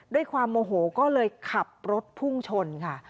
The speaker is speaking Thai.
ด้วยความโมโหก็เลยขับรถพุ่งชนค่ะ